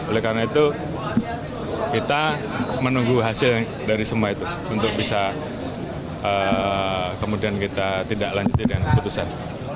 oleh karena itu kita menunggu hasil dari semua itu untuk bisa kemudian kita tidak lanjuti dengan keputusan